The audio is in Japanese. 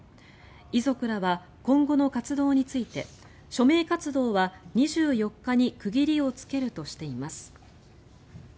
遺族らは今後の活動について署名活動は２４日に区切りをつけるとしています。